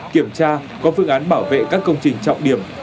kiểm tra có phương án bảo vệ các công trình trọng điểm